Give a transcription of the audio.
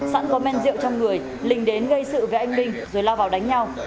sẵn có men rượu trong người lình đến gây sự với anh minh rồi lao vào đánh nhau